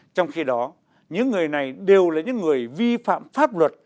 trong khi đó những người này đều là những người vi phạm pháp luật